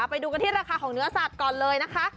ไปดูกันที่ราคาของเนื้อสัตว์ก่อนเลยนะคะ